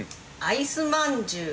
アイスまんじゅう？